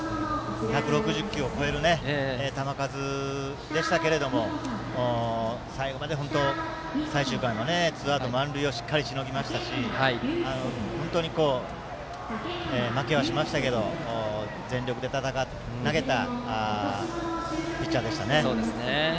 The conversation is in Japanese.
１６０球を超える球数でしたが最後まで本当、最終回もツーアウト満塁をしっかりしのぎましたし本当に、負けはしましたが全力で投げたピッチャーでしたね。